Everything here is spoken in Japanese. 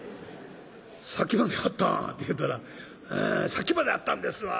「さっきまであったん？」って言うたら「さっきまであったんですわ。